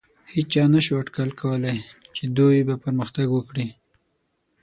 هېچا نهشو اټکل کولی، چې دوی به پرمختګ وکړي.